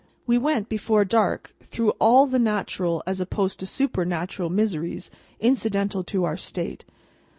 We went, before dark, through all the natural—as opposed to supernatural—miseries incidental to our state.